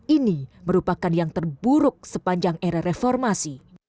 ini merupakan yang terburuk sepanjang era reformasi